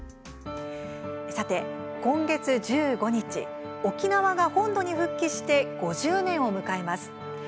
さて、今月１５日沖縄が本土に復帰して５０年を迎えます。